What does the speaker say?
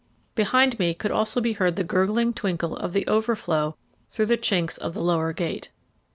Behind me could also be heard the gurgling twinkle of the overflow through the chinks of the lower gate.